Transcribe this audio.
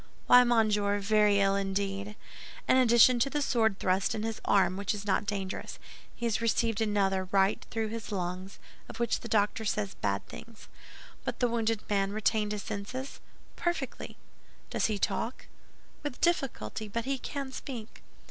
"Why, monsieur, very ill indeed! In addition to the sword thrust in his arm, which is not dangerous, he has received another right through his lungs, of which the doctor says bad things." "But has the wounded man retained his senses?" "Perfectly." "Does he talk?" "With difficulty, but he can speak."